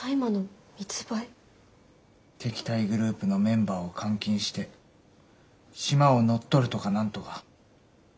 敵対グループのメンバーを監禁してシマを乗っ取るとか何とか。